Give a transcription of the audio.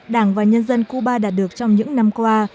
đảng và nhân dân cuba đạt được trong những năm qua